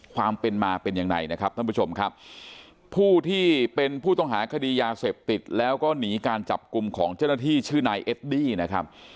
ความเป็นมาเป็นยังไงนะครับท่านผู้ชมครับผู้ที่เป็นผู้ต้องหาคดียาเสพติดแล้วก็หนีการจับกลุ่มของเจ้าหน้าที่ชื่อนายเอดดี้นะครับ